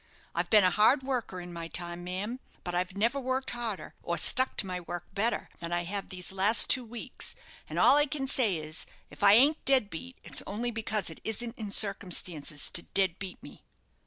I've been a hard worker in my time, ma'am; but I never worked harder, or stuck to my work better, than I have these last two weeks; and all I can say is, if I ain't dead beat, it's only because it isn't in circumstances to dead beat me."